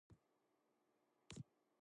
みんなは、どんな文章を入力しているのかなぁ。